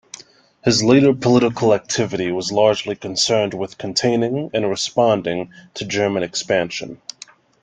His later political activity was largely concerned with containing and responding to German expansion.